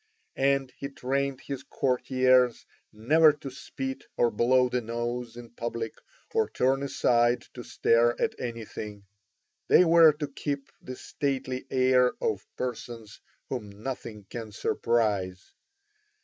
And he trained his courtiers never to spit or blow the nose in public or turn aside to stare at anything; they were to keep the stately air of persons whom nothing can surprise.